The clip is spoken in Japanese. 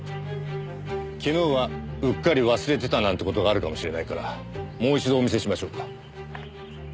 昨日はうっかり忘れてたなんて事があるかもしれないからもう一度お見せしましょうか。